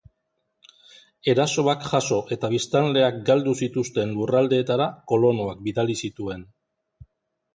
Erasoak jaso eta biztanleak galdu zituzten lurraldeetara kolonoak bidali zituen.